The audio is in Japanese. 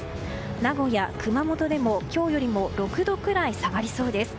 名古屋、熊本でも今日よりも６度くらい下がりそうです。